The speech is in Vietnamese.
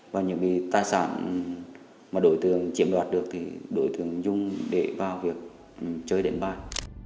và những tài sản mà đội thường chiếm đoạt được thì đội thường dùng để vào việc chơi đến bài